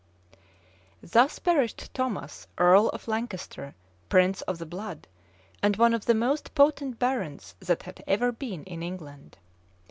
Thus perished Thomas, earl of Lancaster, prince of the blood, and one of the most potent barons that had ever been in England.